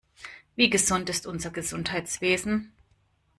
Wie gesund ist unser Gesundheitswesen?